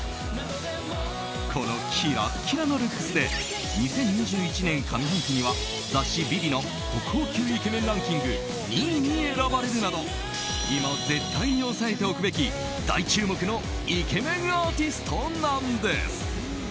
このキラッキラのルックスで２０２１年上半期には雑誌「ＶｉＶｉ」の国宝級イケメンランキング２位に選ばれるなど今、絶対に押さえておくべき大注目のイケメンアーティストなんです。